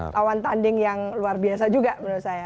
lawan tanding yang luar biasa juga menurut saya